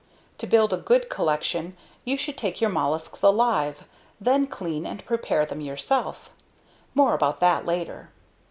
To build a good collection, you should take your mollusks alive, then clean and prepare them yourself. (More about that later.)